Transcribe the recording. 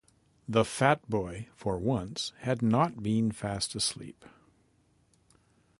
The fat boy, for once, had not been fast asleep.